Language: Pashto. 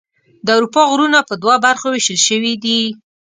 د اروپا غرونه په دوه برخو ویشل شوي دي.